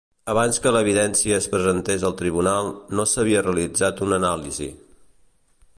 Abans que l'evidència es presentés al tribunal, no s'havia realitzat una anàlisi.